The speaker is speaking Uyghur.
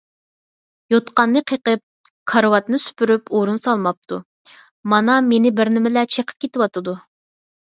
يوتقاننى قېقىپ، كارىۋاتنى سۈپۈرۈپ ئورۇن سالماپتۇ، مانا مېنى بىرنېمىلەر چېقىپ كېتىۋاتىدۇ.